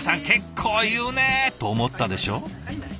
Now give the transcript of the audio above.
結構言うね！と思ったでしょ？